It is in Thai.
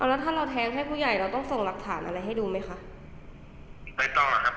แล้วถ้าเราแทงให้ผู้ใหญ่เราต้องส่งหลักฐานอะไรให้ดูไหมคะไปต่อครับ